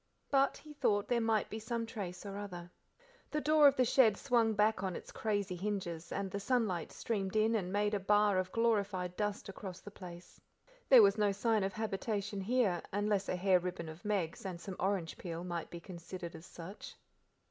But he thought, there might be some trace or other. The door of the shed swung back on its crazy hinges, and the sunlight streamed in and made a bar of glorified dust across the place. There was no sign of habitation here, unless a hair ribbon of Meg's and some orange peel, might be considered as such.